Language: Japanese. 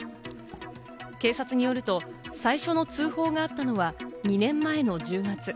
警察によると、最初の通報があったのは、２年前の１０月。